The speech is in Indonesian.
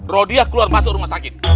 rodiah keluar masuk rumah sakit